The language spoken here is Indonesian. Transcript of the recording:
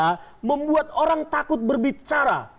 hukum telah ada membuat orang takut berbicara